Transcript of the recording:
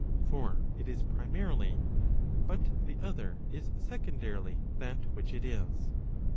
For it is primarily, but the other is secondarily that which it is.